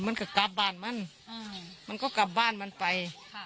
มันก็กลับบ้านมันมันก็กลับบ้านมันไปค่ะ